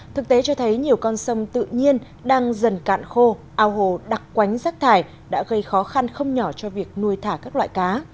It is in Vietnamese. thực tế cho thấy nhiều con sông tự nhiên đang dần cạn khô ao hồ đặc quánh rác thải đã gây khó khăn không nhỏ cho việc nuôi thả các loại cá